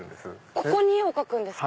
ここに絵を描くんですか⁉